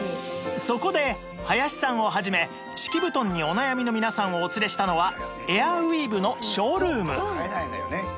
そこで林さんを始め敷き布団にお悩みの皆さんをお連れしたのはエアウィーヴのショールーム